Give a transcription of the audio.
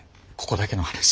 ここだけの話。